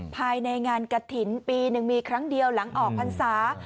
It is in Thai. ภายในงานกระถิ่นปีหนึ่งมีครั้งเดียวหลังออกพรรษา